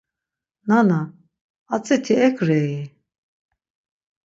Nana, atziti ek rei?